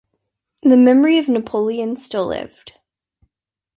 The memory of Napoleon still lived.